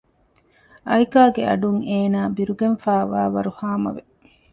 އައިކާގެ އަޑުން އޭނާ ބިރުގަނެފައިވާވަރު ހާމަވެ